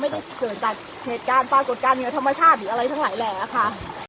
ไม่ได้เกิดจากเหตุการณ์ปรากฏการณ์เหนือธรรมชาติหรืออะไรทั้งหลายแหล่อะค่ะ